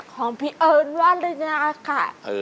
ของพี่เอิญว่าเรียน่ะคะ